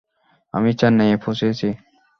আমি চেন্নাইয়ে পৌঁছেছি।